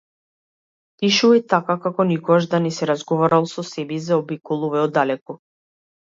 Пишувај така, како никогаш да не си разговарал со себе и заобиколувај оддалеку.